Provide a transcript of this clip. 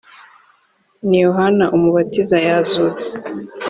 ni yohana umubatiza yazutse